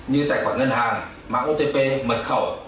như tài khoản ngân hàng mạng otp mật khẩu